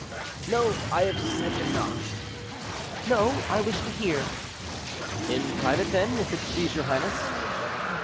"No, I have said enough." "No, I wish to hear." "In private then, if it please your highness."